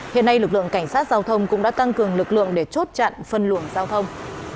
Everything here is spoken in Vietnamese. hiện nay lực lượng cảnh sát giao thông cũng đã tăng cường lực lượng để chốt chặn phân luồng giao thông